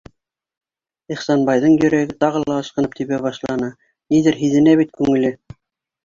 Ихсанбайҙың йөрәге тағы ла ашҡынып тибә башланы: ниҙер һиҙенә бит күңеле.